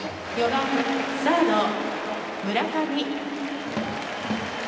「４番サード村上」。